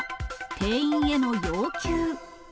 店員への要求。